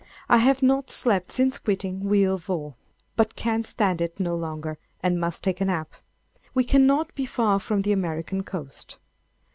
I have not slept since quitting Wheal Vor, but can stand it no longer, and must take a nap. We cannot be far from the American coast.